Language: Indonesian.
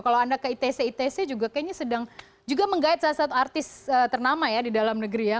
kalau anda ke itc itc juga kayaknya sedang juga menggait salah satu artis ternama ya di dalam negeri ya